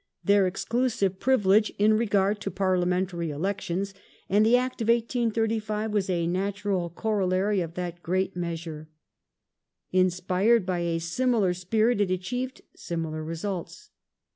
49, 124 IRISH AFFAIRS [1833 their exclusive privilege in regard to parliamentary elections, and the Act of 1835 was a natural corollary of that great measure. Inspired by a similar spirit it achieved similar results.